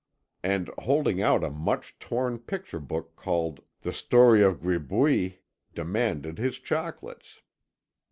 And, holding out a much torn picture book called The Story of Gribouille, demanded his chocolates.